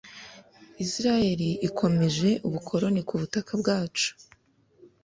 Israel ikomeje ubukoloni ku butaka bwacu